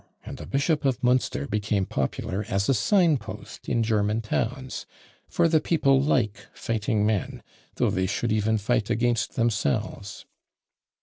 _ and the "Bishop of Munster" became popular as a sign post in German towns; for the people like fighting men, though they should even fight against themselves.